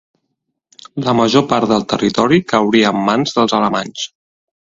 La major part del territori cauria en mans dels alemanys.